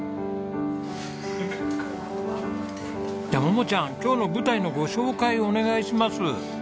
じゃあ桃ちゃん今日の舞台のご紹介をお願いします。